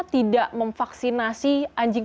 tidak memvaksinasi anjing